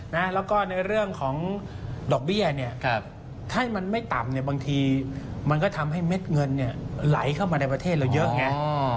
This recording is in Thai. แล้วก็ในเรื่องของดอกเบี้ยเนี่ยถ้ามันไม่ต่ำเนี่ยบางทีมันก็ทำให้เม็ดเงินเนี่ยไหลเข้ามาในประเทศเราเยอะไง